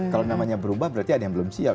kalau namanya berubah berarti ada yang belum siap